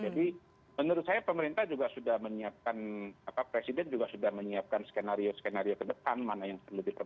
jadi menurut saya pemerintah juga sudah menyiapkan apa presiden juga sudah menyiapkan skenario skenario ke depan mana yang perlu diperbaiki